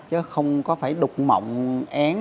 chứ không có phải đục mọng én